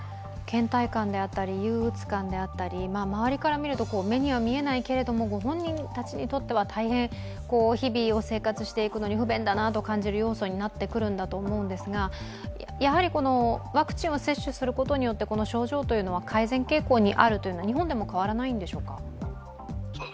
けん怠感であったり、憂鬱感であったり、周りから見ると目には見えないけれど、本人たちにとっては大変、日々を生活していくのに不便だなと感じる要素になってくると思うんですがやはりワクチンを接種することによって、症状は改善傾向にあるというのは日本でも変わらないんでしょうか？